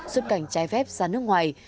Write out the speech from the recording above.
xuất cảnh trái phép sang nước ngoài